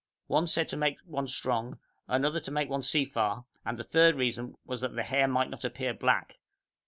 One said to make one strong, another to make one see far, and a third reason was that the hair might not appear black.